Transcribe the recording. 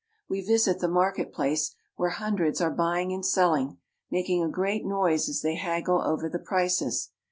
We visit the market place, where hundreds are L ^uying and selling, making a great noise as they haggle r the prices.